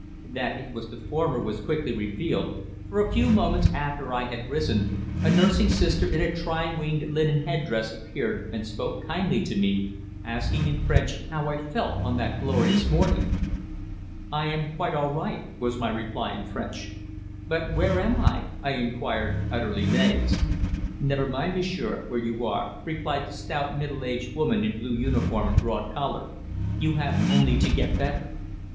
That it was the former was quickly revealed, for a few moments after I had risen, a nursing sister in a tri winged linen head dress appeared and spoke kindly to me, asking in French how I felt on that glorious morning. "I am quite all right," was my reply in French. "But where am I?" I inquired, utterly dazed. "Never mind, m'sieur, where you are," replied the stout, middle aged woman in blue uniform and broad collar. "You have only to get better."